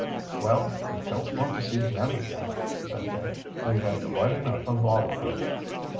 "Well, we don't want to see them again," said Dick. "We've had quite enough of all of them."